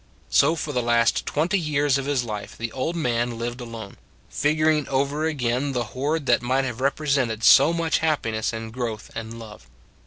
So for the last twenty years of his life the old man lived alone, figuring over again the hoard that might have repre sented so much in happiness and growth and love.